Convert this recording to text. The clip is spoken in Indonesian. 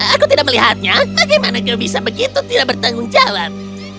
aku tidak melihatnya bagaimana kau bisa begitu tidak bertanggung jawab